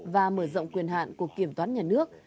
và mở rộng quyền hạn của kiểm toán nhà nước